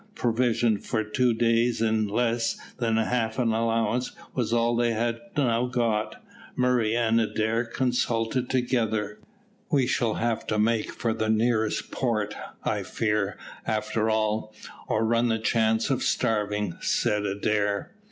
Provisions for two days, and less than half allowance, was all they had now got. Murray and Adair consulted together. "We shall have to make for the nearest port, I fear, after all, or run the chance of starving," said Adair.